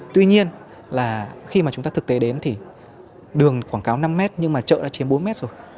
tuy nhiên là khi mà chúng ta thực tế đến thì đường quảng cáo năm m nhưng mà chợ đã chiếm bốn mét rồi